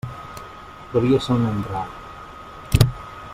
Devia ser un nen rar.